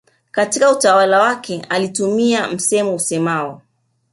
Katika utawala wake alitumia msemo useamao